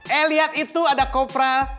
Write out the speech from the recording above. eh lihat itu ada kopra